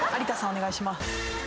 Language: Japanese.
お願いします。